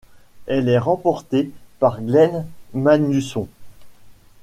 Elle est remportée par Glenn Magnusson.